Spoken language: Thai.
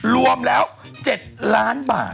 รวมแล้ว๗ล้านบาท